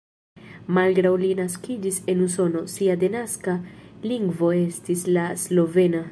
Malgraŭ li naskiĝis en Usono, sia denaska lingvo estis la slovena.